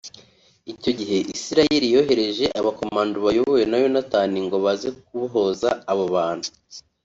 Icyo gihe Israel yohereje abakomando bayobowe na Yonatan ngo baze kubohoza abo bantu